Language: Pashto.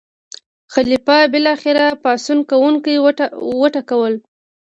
خلیفه بالاخره پاڅون کوونکي وټکول.